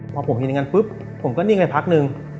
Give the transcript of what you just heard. พอผมเห็นอย่างนั้นปุ๊บผมก็นิ่งไปพักนึง